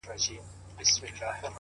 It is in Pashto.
مُلا سړی سو ـ اوس پر لاره د آدم راغلی ـ